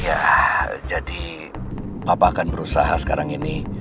ya jadi bapak akan berusaha sekarang ini